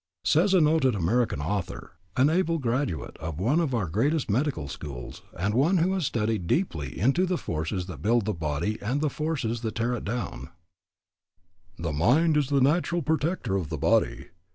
Says a noted American author, an able graduate of one of our greatest medical schools, and one who has studied deeply into the forces that build the body and the forces that tear it down: "The mind is the natural protector of the body.